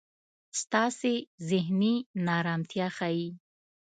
ستاسې زهني نا ارمتیا ښي.